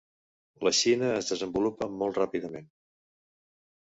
La Xina es desenvolupa molt ràpidament.